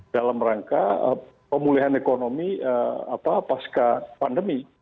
dalam rangka pemulihan ekonomi pasca pandemi